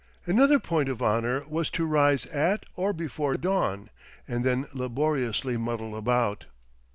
Another point of honour was to rise at or before dawn, and then laboriously muddle about.